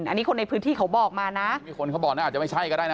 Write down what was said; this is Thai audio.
อันนี้คนในพื้นที่เขาบอกมานะมีคนเขาบอกน่าจะไม่ใช่ก็ได้นะ